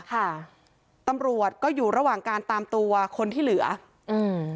ค่ะตำรวจก็อยู่ระหว่างการตามตัวคนที่เหลืออืม